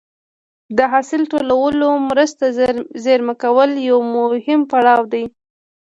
د حاصل ټولولو وروسته زېرمه کول یو مهم پړاو دی.